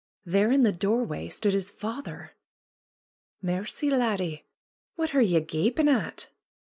There in the doorway stood his father ! ^'Mercy, laddie! what are ye gapin' at?"